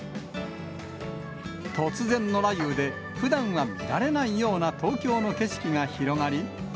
突然の雷雨で、ふだんは見られないような東京の景色が広がり。